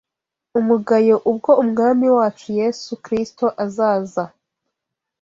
umugayo ubwo Umwami wacu Yesu Kristo azaza